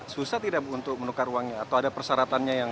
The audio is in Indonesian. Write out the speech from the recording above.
susah tidak untuk menukar uangnya atau ada persyaratannya yang